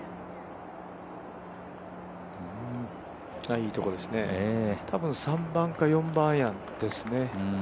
いいところですね、多分３番か４番アイアンですね。